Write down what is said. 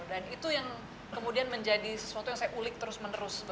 dan itu yang kemudian menjadi sesuatu yang saya ulik terus menerus